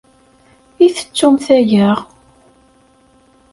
I tettumt aya?